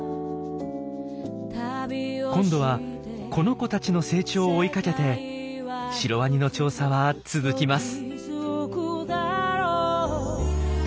今度はこの子たちの成長を追いかけてシロワニの調査は続きます。